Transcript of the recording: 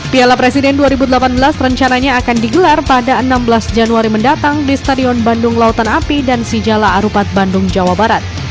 piala presiden dua ribu delapan belas rencananya akan digelar pada enam belas januari mendatang di stadion bandung lautan api dan sijala arupat bandung jawa barat